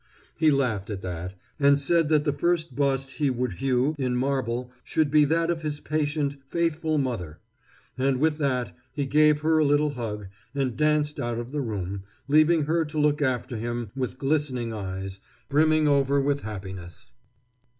He laughed at that, and said that the first bust he would hew in marble should be that of his patient, faithful mother; and with that he gave her a little hug, and danced out of the room, leaving her to look after him with glistening eyes, brimming over with happiness.